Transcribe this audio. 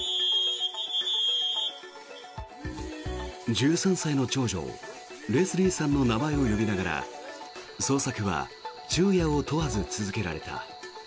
１３歳の長女・レスリーさんの名前を呼びながら捜索は昼夜を問わず続けられた。